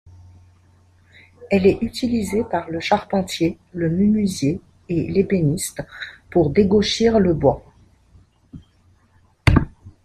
Elle est utilisée par le charpentier, le menuisier et l'ébéniste pour dégauchir le bois.